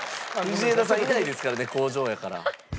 藤枝さんいないですからね工場やから。